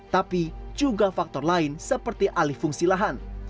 tapi juga faktor lain seperti alih fungsi lahan